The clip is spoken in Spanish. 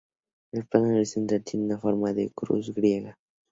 El plano horizontal tiene forma de cruz griega.